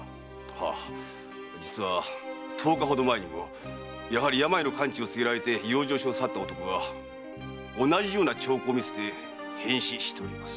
はあ実は十日ほど前にもやはり病の完治を告げられて養生所を去った男が同じような兆候を見せて変死しております。